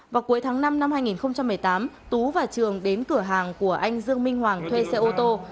vào cuối tháng năm năm hai nghìn một mươi tám tú và trường đến cửa hàng của anh dương minh hoàng thuê xe ô tô